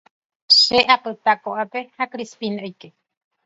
Che apyta okápe ha Crispín oike.